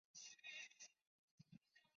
张骘开始是段业的属官。